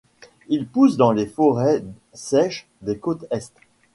Il pousse dans les forêts sèches des côtes Est.